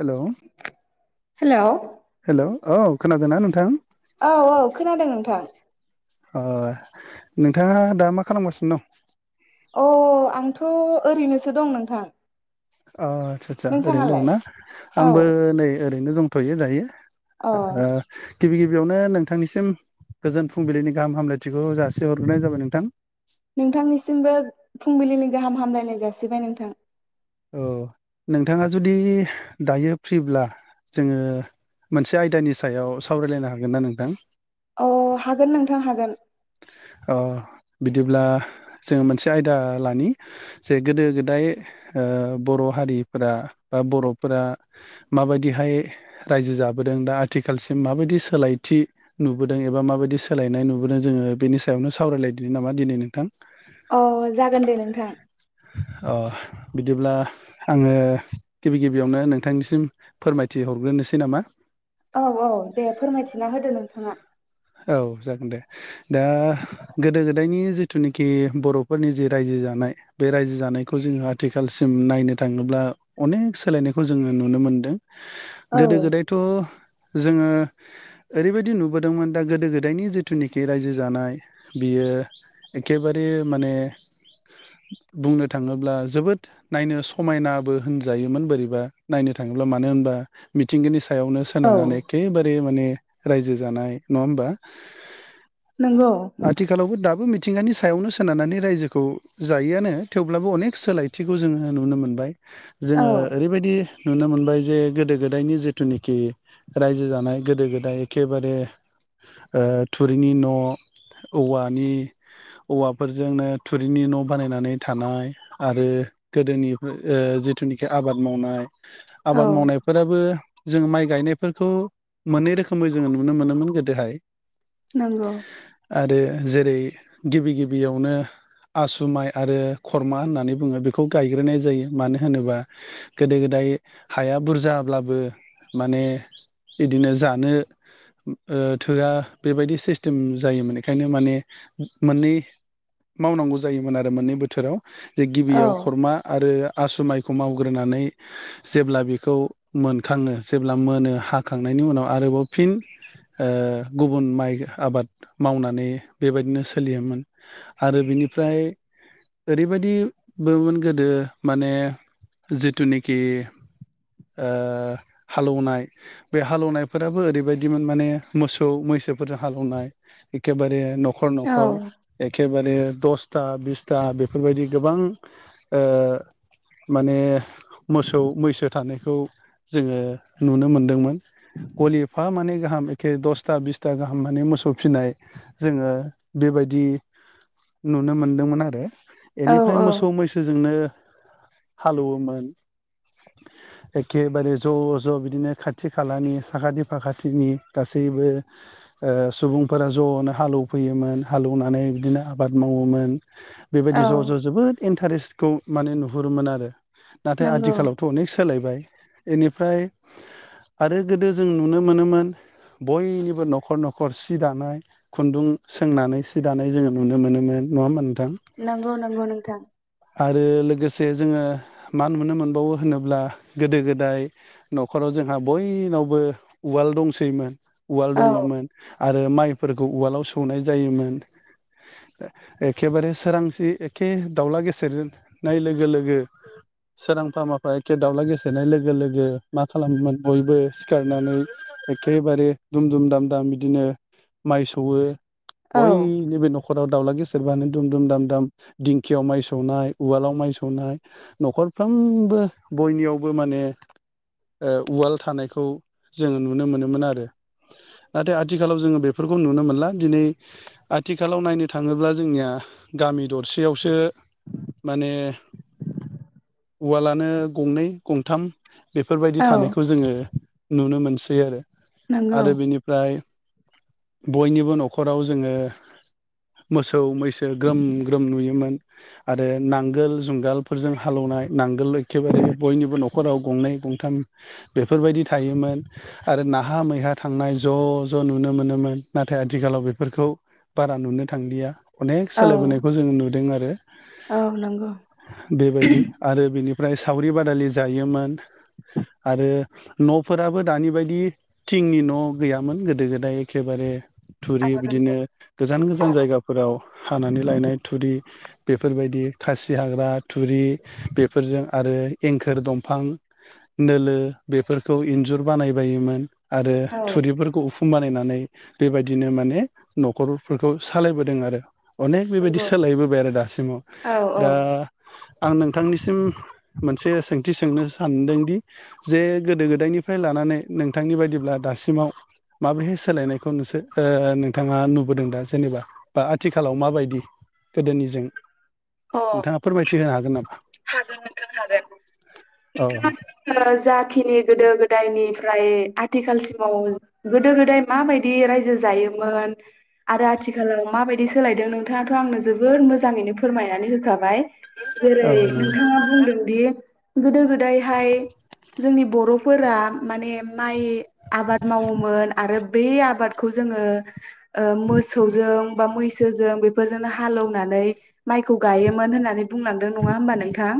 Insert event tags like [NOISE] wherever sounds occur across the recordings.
Hello hello hello औ खोनादोंना नोंथां? औ औ खोनादों नोंथां। ओ नोंथांङा दा मा खालामगासिनो दं? अ आंथ' ओरैनोसो दं नोंथां। अ आस्सा स्सा ओरैनो नोंथाङालाय दंना औ आंबो नै ओरैनो दंथ'यो दायो। अ ओ गिबि गि बियावनो नोंथांनिसिम गोजोन फुंबिलिनि गाहाम हामलायथिखौ जासि हरग्रोनाय जाबाय नोंथां। नोंथांनिसिमबो फुंबिलिनि गाहाम हामलायनाय जासिबाय नोंथां। औ नोंथाङा जुदि दायो फ्रिब्ला जोंङो मोनसे आयदानि सायाव सावरायलायनो हागोन ना नोंथां? अ हागोन नोंथां हागोन अ बिदिब्ला जोङो मोनसे आयदा लानि जे गोदो गोदाय ओ बर' हारिफोरा बा बर'फोरा माबायदिहाय रायजो जाबोदों? जों दा आथिखालसिम माबायदि सोलायथि नुबोदों एबा माबायदि सोलायनाय नुबोदों जोङो बेनि सायावनो सावरायलायदों नामा दिनै नोंथां? अ जागोन दे नोंथां। अ बिदिब्ला आङो गिबि गिबियावनो नोंथांनिसिम फोरमायथि हरग्रोनोसै नामा? औ औ दे फोरमायथिना होदो नोंथाङा औ जागोन दे दा गोदो गोदायनि जिथुनिखि बर'फोरनि जि रायजो जानाय बे रायजो जानायखौ जोङो आथिखालसिम नायनो थाङोब्ला अनेक सोलायनायखौ जोङो नुनो मोनदों। औ गोदो गोदायथ' जोङो ओरैबायदि नुबोदोंमोन दा गोदो गोदायनि जिथुनिखि रायजो जानाय बियो एखेबारे माने बुंनो थांङोब्ला जोबोद नायनो समायना बो होनजायोमोन बोरैबा नायनो थांङोब्ला मानो होनोब्ला मिथिंगानि सायावनो औ सोनारनानै एखेबारे माने रायजो जानाय नंङा होमबा? नंगौ आथिखालावबो दाबो मिथिंगानि सायावनो सोनारनानै रायजोखौ जायोआनो थेव अब्लाबो अनेक सोलायथिखौ जोंङो नुनो मोनबाय औ जोंङो ओरैबायदि नुनो मोनबाय जे गोदो गोदायनि जिथुनिखि रायजो जानाय गोदो गोदाय एखेबारे थुरिनि न' औवानि औवाफोरजोंनो थुरिनि न' बानायनानै थानाय आरो गोदोनि जिथुनिखि आबाद मावनाय औ आबाद मावनायफोराबो जों माइ गायनायफोरखौ मोननै रोखोमै जोंङो नुनो मोनोमोन गोदोहाय नंगौ। आरो जेरै गिबि गिबियावनो आसु माइ आरो खरमा होननानै बुङो बेखौ गायग्रोनाय जायो मानो होनोबा गोदो गोदाय हाया बुरजाब्लाबो माने बिदिनो जानो थोआ बेबायदि सिस्टेम जायोमोन बेखायनो माने मोननै मावनांगौ जायोमोन आरो मोननै बोथोराव जे औ गिबियाव खरमा आरो आसु माइखौ मावग्रोनानै जेब्ला बेखौ मोनखाङो जेब्ला मोनो हाखांनाय नि उनाव आरोबाव फिन ओ गुबुन माइ आबाद मावनानै बेबायदिनो सोलियोमोन आरो बिनि फ्राय ओरैबायदिबोमोन गोदो माने जिथुनाखि हालौनाय बे हालौवनायफोराबो ओरैबायदिमोन माने मोसौ मैसोफोरजों हालेवनाय एखेबारे न'खर औ न'खर एखेबारे दसथा बिसथा बेफोरबायदि गोबां ओ माने मोसौ मैसो थानायखौ जोङो नुनो मोनदोंमोन गलिफा मानि गाहाम एखे दसथा बिसथा गाहाम माने मोसौ फिसिनाय जोङो बेबायदि नुनो मोनदोंमोन आरो औ बेनिफ्राय औ मोसौ मैसोजोंनो हालौवोमोन एखेबारे ज' ज' बिदिनो खाथि खालानि साखाथि फाखाथिनि गासैबो सुबुंफोरा ज'नो हालौवफैयोमोन हालेवनानै बिदिनो आबाद माव मावोन औ बेबायदि ज' ज' जोबोद इन्टारेस्टखौ माने नुहुरोमोन आरो नाथाय नंगौ आथिखालावथ' अनेख सोलायबाय बेनिफ्राय आरो गोदो जों नुनो मोनोमोन बयनिबो न'खर न'खर सि दानाय खुन्दुं सोंनानै सि दानाय जोङो नुनो मोनोमोन नङा हा नोंथां नंगौ नंगौ नोंथां आरो लोगोसे जे जोङो मा नुनो मोनबावो होनोब्ला गोदो गोदाय न'खराव जोंहा बय बो उवालदंसैमोन उवाल औ दङोमोन आरो माय फोरखौ उवालाव सौनाय जायोमोन एखेबारे सोरांसि एखे दाउला गेसेेरनाय लोगो लोगो सोरांफा माफा एखे दावला गेसेेरनाय लोगो लोगो मा खालामोमोन बयबो सिखारनानै एखेबारे दुम दुम दाम दाम बिदिनो माइ सौवो औ बयनिबो न'खराव दावला गेसेेरबानो दुम दुम दाम दाम दिंखियाव माइ सौनाय उवालाव माइ सौनाय न'खरफ्रोम बो बयनियावबो माने उवाल थानायखौ जों नुनो मोनोमोन आरो नाथाय आथिखालाव जोङो बेफोरखौ नुनो मोनला दिनै आथिखालाव नायनो थाङोब्ला जोंनिया गामि दरसेयावसो माने उवालानो गंनै गंथाम बेफोरबायदि औ थानायखौ जोङो नुनो मोनसै आरो नंगौ आरो बेनिफ्राय बयनिबो न'खराव जोङो मोसौ मैसो ग्रोम ग्रोम नुयोमोन आरो नांगोल जुंगालफोरजों हालेवनाय नाय नांगोल एखेबारे बयनिबो न'खराव गंनै गंथाम बेफोरबायदि थायोमोन आरो नाहा मैहा थांनाय ज' ज' नुनो मोनोमोन नाथाय आथिखालाव बेफोरखौ बारा नुनो थांलिया अनेक औ सोलायबोनायखौ जों नुदों आरो औ नंगौ। बेबायदि आरो बेनि ओमफ्राय सावरि बादालि जायोमोन आरो न'फोराबो दानि बायदि थिंनि न' गैयामोन गोदो गोदाय एखेबारे थुरि आं रोंगौ बिदिनो गोजान गोजान जायगाफोराव हानानै लायनाय थुरि बेफोरबायदि खासि हाग्रा, थुरि बेफोरजों आरो एंखोर दंफां नोलो बेफोरखौ इन्जुर बानायबायोमोन आरो औ थुरिफोरखौ बानायनानै बेबायदिनो माने न'खरफोरखौ सालायबोदों आरो। अनेक बेबायदि नंगौ सोलायबोबाय आरो दासिमाव। औ औ दा आं नोंथांनिसिम मोनसे सोंथि सोंनो सानदोंदि जे गोदो गोदायनि फ्राय लानानै नोंथांनि बायदिब्ला दासिमाव माब्रैहाय सोलायनायखौ नोंसोर ओ नोंथाङा नुबोदों दा जेनेबा बा आथिखालाव माबायदि गोदोनिजों? अ नोंथाङा फोरमायथि होनो हागोन हागोन नोंथां हागोन। नामा औ नोंथाङा दा आंनो जाखिनि गोदो गोदायनि फ्राय आथिखालसिमाव गोदो गोदाय माबायदि रायजो जायोमोन आरो आथिखालाव माबायदि सोलायदों नोंथाङाथ' आंनो जोबोद मोजाङैनो फोरमायनानै होखाबाय जेरै नोंथाङा बुंदों दि गोदो गो दायहाय जोंनि बर'फोरा माने माइ आबाद मावोमोन आरो बै आबादखौ जोङो ओ मोसौजों बा मैसोजों बेफोरजोंनो हालौनानै माइखौ गायोमोन होननानै बुंलांदों नङा होमबा नोंथां?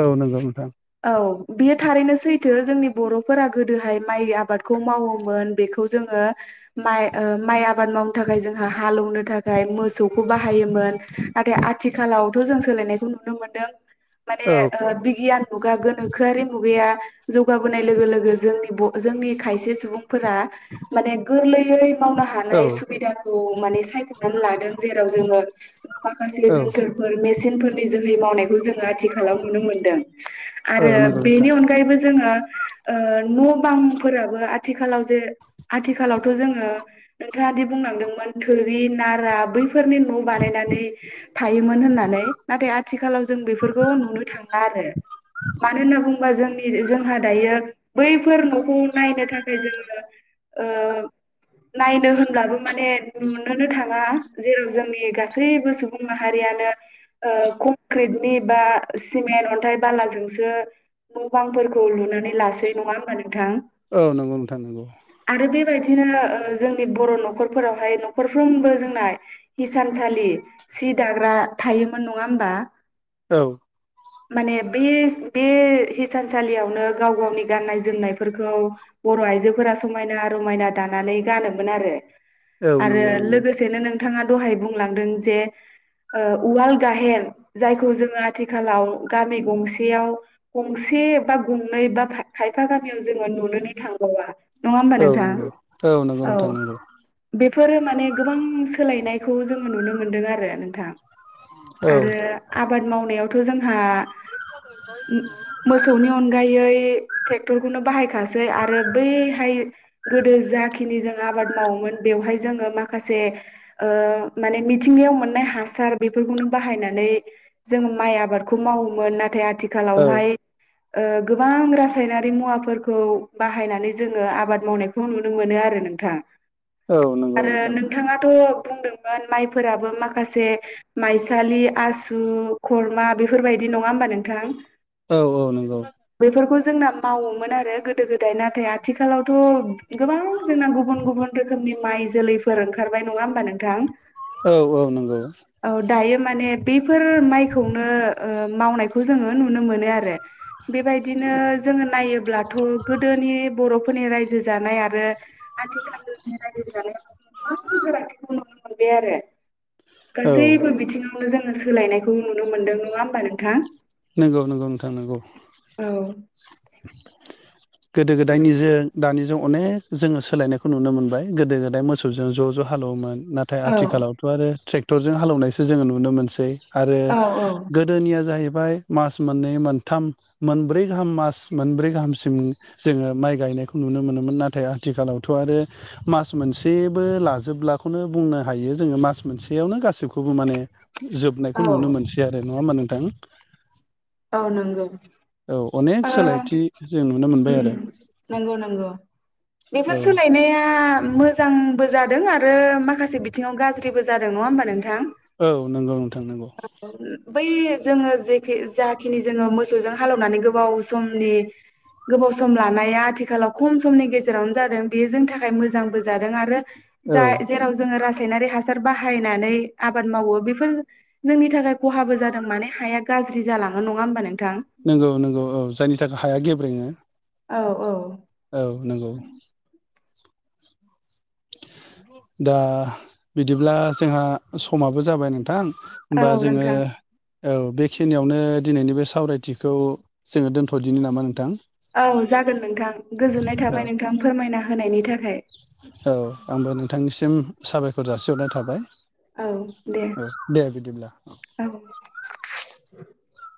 औ नंगौ औ नंगौ नोंथां औ बेयो थारैनो सैथो, जोंनि बर'फोरा गोदोहाय माइ आबादखौ मावोमोन। बेखौ जोङो माइ ओ माइ आबाद मावनो थाखाय जोंहा हालौनो थाखाय मो सौखौ बाहायोमोन नाथाय आ थिखालावथ' जों सोलायनायखौ नुनो मोनदों माने औ ओ बिगियान मुगा गोनोखोआरि मुगाया जौगाबोनाय लोगो लोगो जोंनि ब जोंनि खायसे सुबुंफोरा माने गोरलै यै मावनो हानाय सुबिदाखौ माने सायख'नानै लादों जेराव जोङो माखासे औ जोनथोरफोर मेसिनफोरनि जोहै मावनाय खौ जोङो आथिखालाव नुनो मोनदों आरो औ नंगौ बेनि नोंथां अनगायैबो जोङो ओ न' बांफोराबो आथिखालाव जे आथिखालावथ' जोङो नोंथाङा दि बुंलांदोंमोन थोरि नारा बैफोरनि न' बानायनानै थायोमोन होननानै नाथाय आथिखालाव जों बेफोरखौ नुनो थांला आरो। मानो होन बा जोंनि जोंहा दायो बैफोर न'खौ नायनो थाखाय जोङो ओ नायनो होनब्लाबो माने नुनोनो थाङा जेराव जोंनि गासैबो सुबुं माहारियानो ओ कंक्रिटनि बा सिमेन्ट, अन्थाइ, बालाजोंसो न' बांफोरखौ लुनानै लासै नङा होमबा नोंथां? औ नोंगौ नोंथां नोंगौ। आरो बेबायदिनो ओ जोंनि बर' न'खरफोरावहाय न'खरफ्रोमबो जोंना हिसानसालि सि दाग्रा थायोमोन नङा होमबा? औ। माने बे बे हिसानसालियावनो गाव गावनि गाननाय जोमनायफोरखौ बर' आइजोफोरा समायना रमायना दानानै गानोमोन आरो, औ आरो नंगौ नंगौ लोगोसेनो नों थाङा दहाय बुंलांदों जे [UNINTELLIGIBLE] ओ उवाल गाहेन जायखौ जोङो आथिखालाव गामि गंसेयाव गंसे बा गंनै बा खायफा गामियाव जोङो नुनोनो थांबावा। नङा होमबा नोंथां? औ नंगौ नंगौ औ नोंथां नंगौ बेफोरो माने गोबां सोलायनाय खौ जोङो नुनो मोनदों आरो नोंथां औ आरो आबाद मावनायावथ' जोंहा मो-मोसौनि अनगायै बे ट्रेक्टरखौनो बाहायखासै आरो बैहाय गोदो जाखिनि जों आबाद मावो मोन बेवहाय जोङो माखासे ओ माने मिथिंगायाव मोन नाय हासार बेफोरखौनो बाहायनानै जोङो माय आबादखौ मावोमोन नाथाय आथ थिखालावहाय औ ओ गोबां रासायनारि मुवाफोरखौ बाहायनानै जोङो आबाद मावनायखौ नुनो मोनो आरो नों थां। औ नंगौ आरो नोंथां नोंथाङाथ' बुंदोंमोन माइफोराबो माखा माखासे माइसालि आसु खरमा बेफोरबायदि नङा होमबा नोंथां? औ औ नंगौ बेफोरखौ जोंना मावोमोन आरो गोदो गोदाय नाथाय आ आथिखालावथ' गोबां जोंना गुबुन गुबुन रोखोमनि माइ जोलैफोर ओंखारबाय नङा होमबा नों औ औ नंगौ औ दायो माने बेफोर माइखौनो ओ मावनायखौ जोंङो नुनो मोनो आरो। बेबायदिनो जोंङो नायोब्लाथ' गोदोनि बरफोरनि रायजो जानाय आरो आथिखालनि रायजो जानायाव गोबां फारागथिखौ नुनो मोनबाय आरो। औ गासैबो बिथिङावनो जोंङो सोलायनायखौ नुनो मोनदों नङा होमबा नोंथां? नोंगौ नोंगौ नोंथां नोंगौ। औ। गोदो गोदायनि जों दानिजों अनेक जोंङो सोलायनायखौ नुनो मोनबाय गोदो गोदाय मोसौजों ज' ज' हालोवोमोन नाथाय औ आथिखालावथ आरो ट्रेक्टरजों हालोवनायसो जोंङो नुनो मोनसै। आरो औ गोदोनिया जाहैबाय मास मोननै मोनथाम मोनब्रै गाहाम मास मोनब्रै गाहामसिम जोंङो माइ गायनायखौ नुनो मोनोमोन नाथाय आथिखालावथ आरो मास मोन मोनसेबो लाजोबलाखौनो बुंनो हायो जोंङो मास मोनसेयावनो गासिखौबो माने जोबनायखौ औ नुनो मोनसै आरो नङा होमा नोंथां? औ नंगौ। औ अनेक ओ सोलायथि जों नुनो मोनबाय उम आरो नंगौ नंगौ। बेफोर औ सोलायनाया मोजांबो जादों आरो माखासे बिथिंआव गाज्रिबो जादों नङा होमबा नोंथां। नोंथां? औ नंगौ नोंथां नंगौ बै जोंङो जेखो जा जाखिनि जोंङो मोसौजों हालोवनानै गोबाव समनि गोबाव सम लानाया आथिखालाव खम समनि गेजेरावनो जादों बेयो जों थाखाय मोजांबो जादों आरो औ जा जेराव जोंङो रास रायसायनारि बाहायनानै आबाद मावो बेफोर जोंनि थाखाय खहाबो जादों माने हाया गा गाज्रि जालाङो नङा होनबा नों नोंगौ नोंगौ औ जायनि थाखाय हाया गेब्रेङो। औ औ। औ नोंगौ। दा बिदिब्ला जोंहा समाबो जाबाय नोंथां बा औ जोंङो नोंथां औ बेखिनियावनो दिनैनि बे सावरायथिखौ जोङो दोन्थदिनि नामा नोंथां? औ जागोन नोंथां गोजोननाय औ थाबाय नोंथां फोरमायना होनायनि थाखाय। औ आंबो नोंथांनिसिम साबायखर जासिहरनाय थाबाय। औ दे औ दे बिदिब्ला। औ [INAUDIBLE]